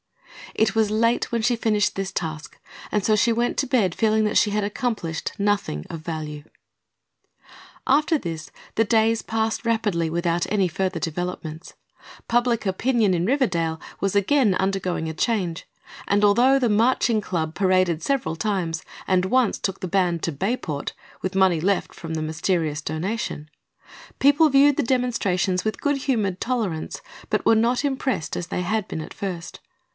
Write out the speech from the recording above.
It was late when she finished this task and so she went to bed feeling that she had accomplished nothing of value. After this the days passed rapidly without any further developments. Public opinion in Riverdale was again undergoing a change and although the Marching Club paraded several times and once took the band to Bayport with money left from the mysterious donation people viewed the demonstrations with good humored tolerance but were not impressed as they had been at first.